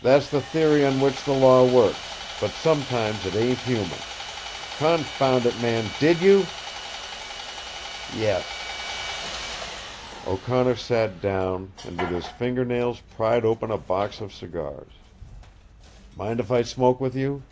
"That's the theory on which the law works, but sometimes it ain't human. Confound it, man, DID YOU?" "Yes." O'Connor sat down and with his finger nails pried open the box of cigars. "Mind if I smoke with you?"